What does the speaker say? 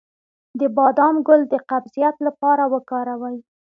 د بادام ګل د قبضیت لپاره وکاروئ